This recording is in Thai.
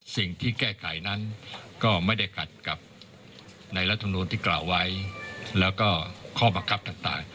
สิ่งที่แก้ไขนั้นก็ไม่ได้ขัดกับในรัฐมนูลที่กล่าวไว้แล้วก็ข้อบังคับต่าง